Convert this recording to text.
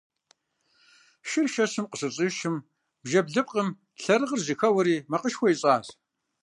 Шыр шэщым къыщыщӀишым бжэ блыпкъым лъэрыгъыр жьэхэуэри макъышхуэ ищӀащ.